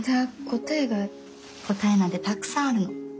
答えなんてたくさんあるの。